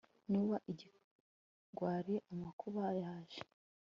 nuba ikigwari amakuba yaje